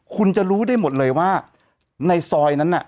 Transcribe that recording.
คุณจะรู้ได้หมดเลยว่าในซอยนั้นน่ะ